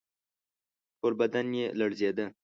ټول بدن یې لړزېده.